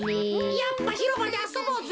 やっぱひろばであそぼうぜ！